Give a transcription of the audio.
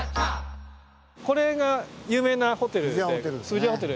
これが有名なホテルで。